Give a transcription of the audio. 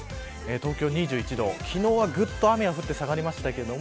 東京２１度、昨日はぐっと雨が降って下がりましたけれども。